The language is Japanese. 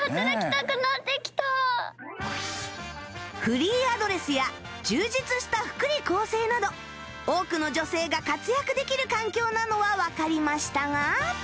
フリーアドレスや充実した福利厚生など多くの女性が活躍できる環境なのはわかりましたが